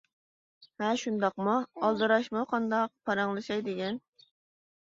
-ھە، شۇنداقمۇ؟ ئالدىراشمۇ قانداق؟ پاراڭلىشاي دېگەن.